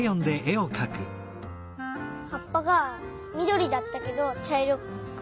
はっぱがみどりだったけどちゃいろくなってた。